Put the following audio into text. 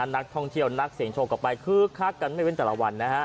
นักท่องเที่ยวนักเสียงโชคก็ไปคึกคักกันไม่เว้นแต่ละวันนะฮะ